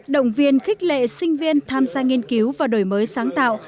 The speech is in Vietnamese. động viên khích lệ sinh viên tham gia nghiên cứu và đổi mới sáng tạo